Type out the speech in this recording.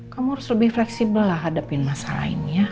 kamu harus lebih fleksibel lah hadapin masalah ini ya